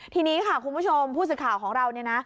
ทีนี้ค่ะคุณผู้ชมผู้สื่อข่าวของเรา